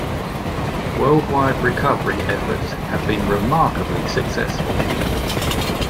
Worldwide recovery efforts have been remarkably successful.